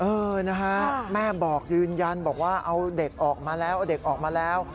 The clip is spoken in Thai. เออนะฮะแม่บอกยืนยันบอกว่าเอาเด็กออกมาแล้วเอาเด็กออกมาแล้ว